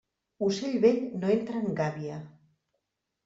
Ocell vell no entra en gàbia.